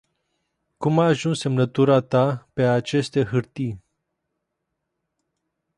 Cum a ajuns semnatura ta pe aceste hartii?